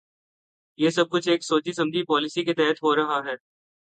یہ سب کچھ ایک سوچی سمجھی پالیسی کے تحت ہو رہا ہے۔